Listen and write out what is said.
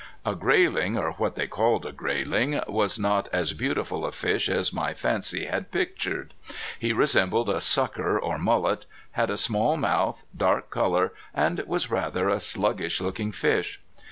A grayling, or what they called a grayling, was not as beautiful a fish as my fancy had pictured. He resembled a sucker or mullet, had a small mouth, dark color, and was rather a sluggish looking fish.